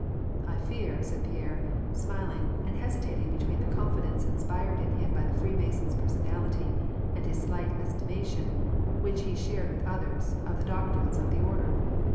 "J fear," said Pierre, smiling, and hesitating between the confidence inspired in him by the Freemason's personality and his slight estimation, which he shared with others, of the doc trines of the order.